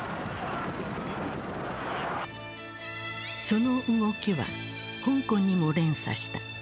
その動きは香港にも連鎖した。